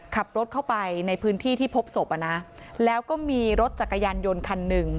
ขับรถเข้าไปในพื้นที่ที่พบศพอ่ะนะแล้วก็มีรถจักรยานยนต์คันหนึ่ง